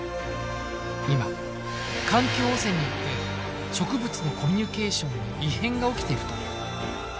今環境汚染によって植物のコミュニケーションに異変が起きてるという。